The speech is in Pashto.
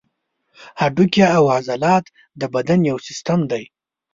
هډوکي او عضلات د بدن یو سیستم دی.